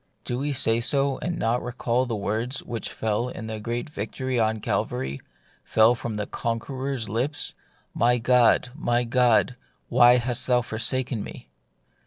Do we say so, and not recall the words which fell in that great victory on Calvary — fell from the Conqueror's lips, " My God, my God, why hast thou forsaken me